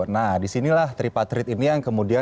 nah disinilah tripatrit ini yang kemudian